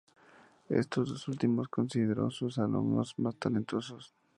Estos dos últimos los consideró sus alumnos más talentosos.